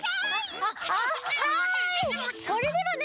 それではね